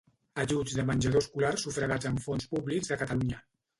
Ajuts de menjador escolar sufragats amb fons públics de Catalunya.